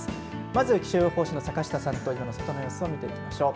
まずは気象予報士の坂下さんと外の天気を見ていきましょう。